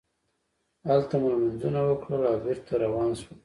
هلته مو لمونځونه وکړل او بېرته روان شولو.